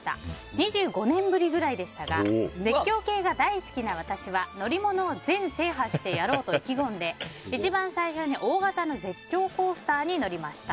２５年ぶりくらいでしたが絶叫系が大好きな私は乗り物を全制覇してやろうと意気込んで一番最初に大型の絶叫コースターに乗りました。